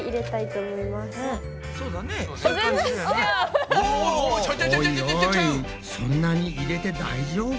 おいおいそんなに入れて大丈夫？